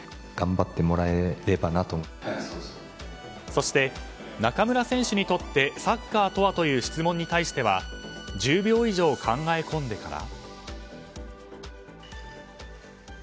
そして、中村選手にとってサッカーとはという質問に対しては１０秒以上考え込んでから。